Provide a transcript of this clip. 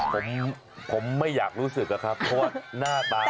ผมผมไม่อยากรู้สึกอะครับเพราะว่าหน้าตา